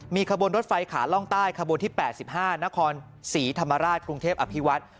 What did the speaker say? มีขบวนรถไฟขาล่องใต้ขบวนที่๘๕นครศรีธรรมราชกรุงเทพอภิวัฒน์